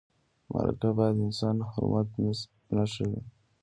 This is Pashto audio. مرکه باید د انساني حرمت نښه وي.